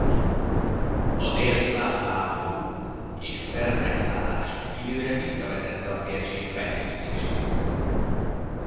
A délszláv háború és a szerb megszállás egy időre visszavetette a térség fejlődését.